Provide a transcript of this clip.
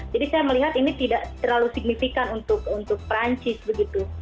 jadi saya melihat ini tidak terlalu signifikan untuk perancis begitu